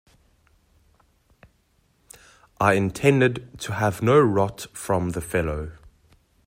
I intended to have no rot from the fellow.